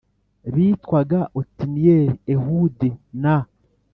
bitwaga Otiniyeli Ehudi na